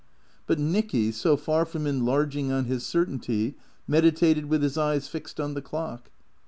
But Nicky, so far from enlarging on his certainty, meditated with his eyes fixed on the clock.